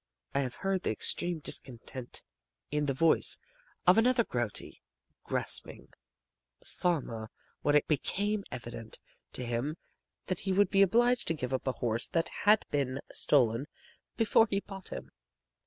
I have heard the extreme discontent in the voice of another grouty, grasping farmer when it became evident to him that he would be obliged to give up a horse that had been stolen before he bought him.